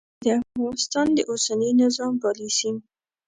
چې د افغانستان د اوسني نظام پالیسي